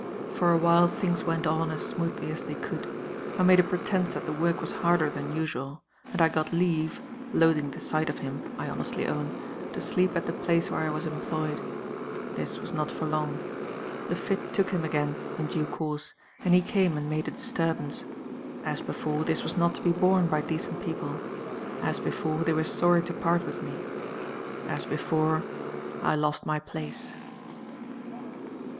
For a while things went on as smoothly as they could. I made a pretense that the work was harder than usual; and I got leave (loathing the sight of him, I honestly own) to sleep at the place where I was employed. This was not for long. The fit took him again, in due course; and he came and made a disturbance. As before, this was not to be borne by decent people. As before, they were sorry to part with me. As before, I lost my place.